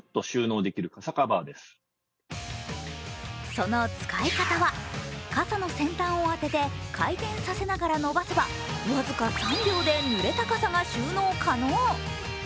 その使い方は、傘の先端を当てて回転させながら伸ばせば僅か３秒でぬれた傘が収納可能。